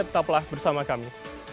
tetaplah bersama kami